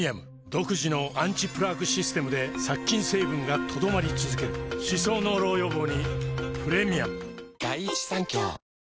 独自のアンチプラークシステムで殺菌成分が留まり続ける歯槽膿漏予防にプレミアム